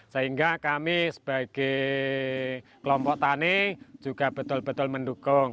sehingga kami sebagai kelompok tani juga betul betul mendukung